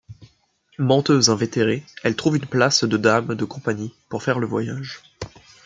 Menteuse invétérée, elle trouve une place de dame de compagnie pour faire le voyage.